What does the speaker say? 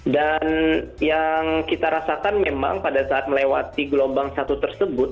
dan yang kita rasakan memang pada saat melewati gelombang satu tersebut